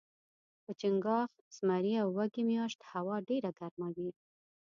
په چنګاښ ، زمري او وږي میاشت هوا ډیره ګرمه وي